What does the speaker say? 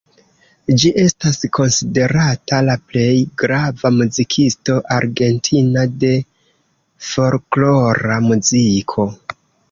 Ĝi estas konsiderata la plej grava muzikisto argentina de folklora muziko.